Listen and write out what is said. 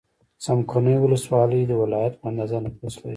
څمکنیو ولسوالۍ د ولایت په اندازه نفوس لري.